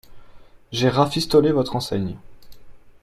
J’ai rafistolé votre enseigne.